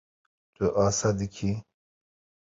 Tu asê dikî.